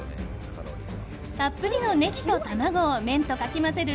たっぷりのネギと卵を麺とかき混ぜる